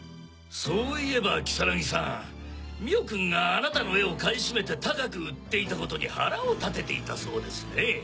そういえば如月さん美緒君があなたの絵を買い占めて高く売っていたことに腹を立てていたそうですね？